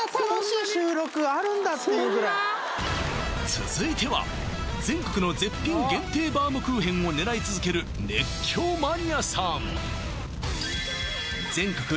続いては全国の絶品限定バウムクーヘンを狙い続ける熱狂マニアさん